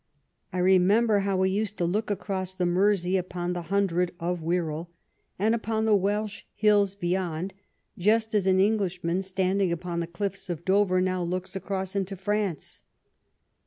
I remember how we used to look across the Mersey upon the Hundred of Wirral, and upon the Welsh hills beyond, just as an Englishman standing upon the cliffs of Dover now looks across into France.